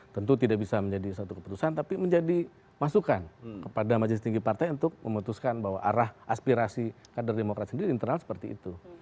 tentu tidak bisa menjadi satu keputusan tapi menjadi masukan kepada majelis tinggi partai untuk memutuskan bahwa arah aspirasi kader demokrat sendiri internal seperti itu